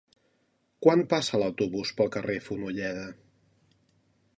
Quan passa l'autobús pel carrer Fonolleda?